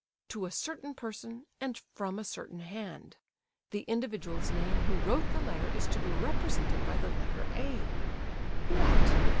To a certain person, and from a certain hand. The individual's name who wrote the letter is to be represented by the letter A.—" "What?